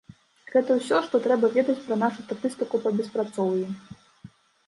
Гэта ўсё, што трэба ведаць пра нашу статыстыку па беспрацоўі.